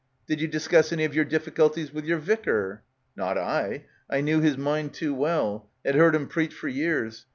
"Did ye discuss any of your difficulties with yer vicar?" "Not I. I knew his mind too well. Had heard him preach for years.